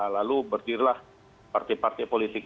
lalu berdirilah partai partai politik